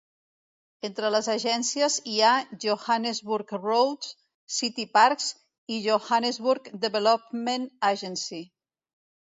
Entre les agències hi ha Johannesburg Roads, City Parks i Johannesburg Development Agency.